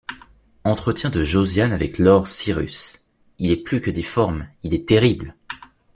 Entretien de Josiane avec lord Cyrus: — Il est plus que difforme, il est terrible.